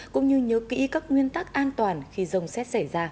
cũng như nhớ kỹ các nguyên tắc an toàn khi rông xét xảy ra